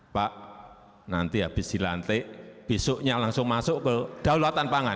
pak nanti habis dilantik besoknya langsung masuk ke daulatan pangan